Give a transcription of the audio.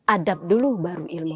adab dulu baru ilmu